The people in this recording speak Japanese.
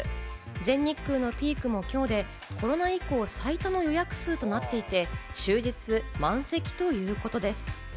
全日空のピークも今日でコロナ以降、最多の予約数となっていて終日満席ということです。